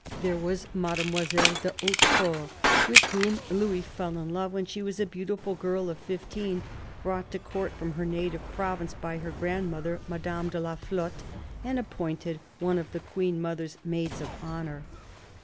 There was Made moiselle de Hautefort, with whom Louis fell in love when she was a beautiful girl of fifteen, brought to Court from her native province by her grandmother, Madame de la Flotte, and appointed one of the Queen mother's maids of honour.